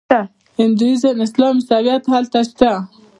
هندویزم اسلام او عیسویت هلته شته.